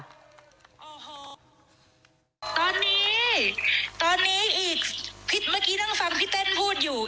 เมื่อกี้นั่งฟังพี่เต้นพูดอยู่